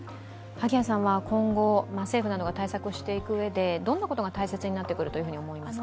今後、政府などが対策していくうえでどんなことが大切になってくると思いますか？